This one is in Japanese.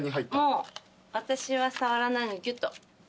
もう私は触らないのでギュッと。